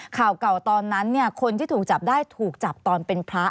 ข่าวเก่าตอนนั้นคนที่ถูกจับได้ถูกจับตอนเป็นพระ